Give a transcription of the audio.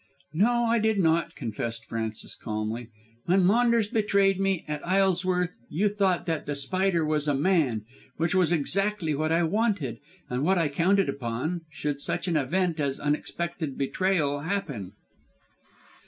"No, I did not," confessed Frances calmly. "When Maunders betrayed me at Isleworth you thought that The Spider was a man, which was exactly what I wanted and what I counted upon should such an event as unexpected betrayal happen.